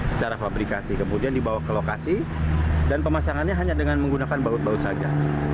secara fabrikasi kemudian dibawa ke lokasi dan pemasangannya hanya dengan menggunakan baut baut saja